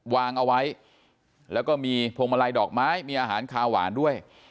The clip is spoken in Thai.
วางเอาไว้แล้วก็มีพวงมาลัยดอกไม้มีอาหารคาหวานด้วย